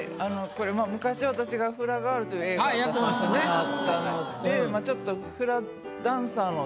これ昔私が「フラガール」という映画出さしてもらったのでちょっと。